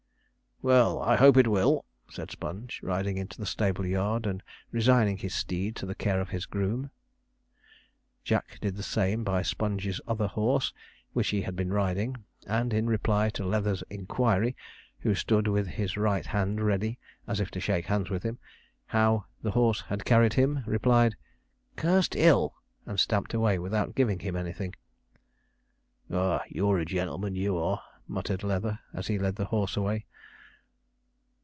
'Well, I hope it will,' said Sponge, riding into the stable yard, and resigning his steed to the care of his groom. Jack did the same by Sponge's other horse, which he had been riding, and in reply to Leather's inquiry (who stood with his right hand ready, as if to shake hands with him), 'how the horse had carried him?' replied: 'Cursed ill,' and stamped away without giving him anything. 'Ah, you're a gen'leman, you are,' muttered Leather, as he led the horse away.